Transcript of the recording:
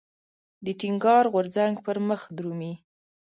د ټينګار غورځنګ پرمخ درومي.